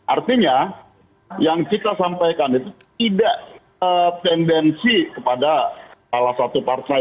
artinya yang kita sampaikan itu tidak tendensi kepada salah satu partai